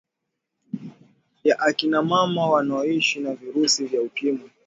ya akina mama wanaoshi na virusi vya ukimwi